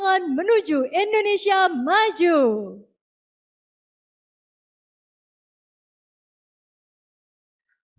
konsistensi inovasi dan sinergi kebijakan